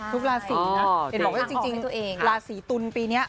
ทุกลาศีนะเห็นบอกว่าจริงลาศีตุลปีเนี่ย